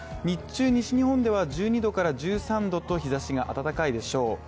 日中、西日本では１２℃から１３℃と日差しが暖かいでしょう。